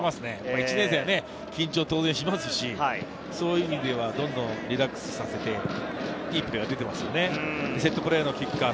１年生は当然緊張しますし、どんどんリラックスさせて、いいプレーが出ていますよね。